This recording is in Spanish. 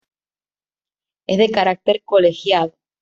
Es de carácter colegiado.